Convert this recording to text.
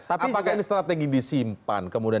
tapi apakah ini strategi disimpan kemudian